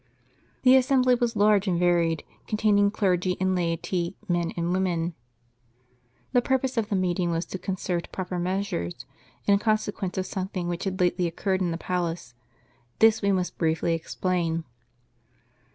The assembly was large and varied, containing clergy and laity, men and women. The puri30se of the meeting was to con cert proper measures, in consequence of something which had lately occurred in the palace. This we must briefly exj)lain.